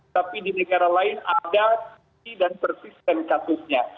tapi di negara lain ada dan persisten kasusnya